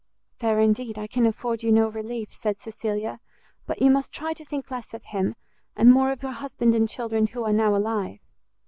"There, indeed, I can afford you no relief," said Cecilia, "but you must try to think less of him, and more of your husband and children who are now alive.